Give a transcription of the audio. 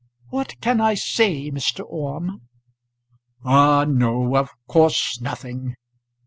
"What can I say, Mr. Orme?" "Ah, no. Of course nothing.